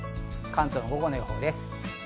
関東の午後の予報です。